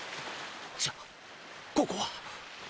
じゃあここは？